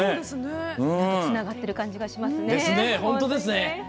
つながってる感じがしますね。